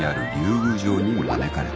宮城に招かれた。